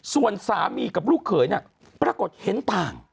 ส่วนสามีกับลูกเขยเนี่ยปรากฏเห็นต่าง